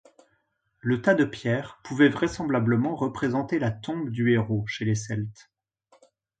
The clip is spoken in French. Le tas de pierre pouvait vraisemblablement représenter la tombe du héros chez les Celtes.